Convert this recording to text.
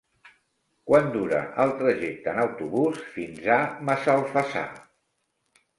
Quant dura el trajecte en autobús fins a Massalfassar?